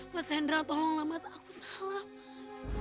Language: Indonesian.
mas hendra tolonglah mas aku salah mas